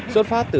xuất phát từ